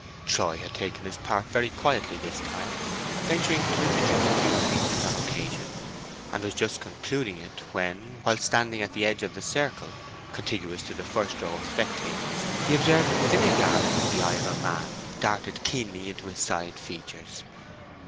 Troy had taken his part very quietly this time, venturing to introduce a few speeches on occasion; and was just concluding it when, whilst standing at the edge of the circle contiguous to the first row of spectators, he observed within a yard of him the eye of a man darted keenly into his side features.